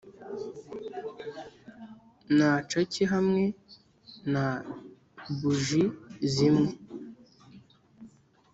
na cake hamwe na buji zimwe!